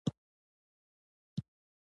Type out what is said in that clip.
دا هغه ځایونه وو چې د لیدو هیله مې لرله.